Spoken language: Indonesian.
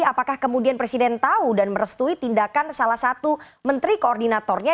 apakah kemudian presiden tahu dan merestui tindakan salah satu menteri koordinatornya